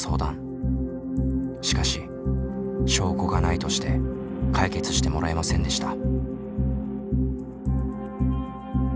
しかし証拠がないとして解決してもらえませんでした。